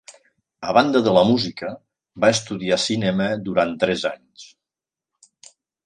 A banda de la música, va estudiar cinema durant tres anys.